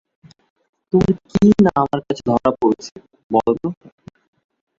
তোমার কী না আমার কাছে ধরা পড়েছে বলো তো!